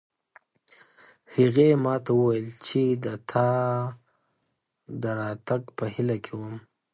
هغې ما ته وویل چې د تا د راتګ په هیله کې وم